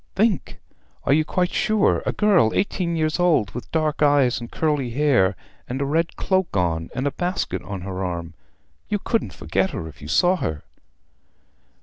"Think; are you quite sure? A girl, eighteen years old, with dark eyes and dark curly hair, and a red cloak on, and a basket on her arm? You couldn't forget her if you saw her."